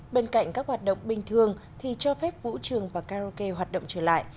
bên cạnh các hoạt động bình thường thì cho phép vũ trường và karaoke hoạt động trở lại